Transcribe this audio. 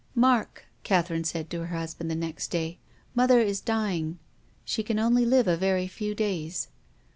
" Mark," Catherine said to her husband the next day. " Mother is dying. She can only live a very few days."